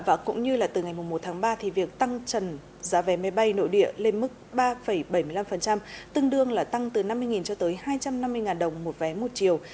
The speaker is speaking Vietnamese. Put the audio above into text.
và cũng như là từ ngày một tháng ba thì việc tăng trần giá vé máy bay nội địa lên mức ba bảy mươi năm tương đương là tăng từ năm mươi cho tới hai trăm năm mươi đồng một vé một chiều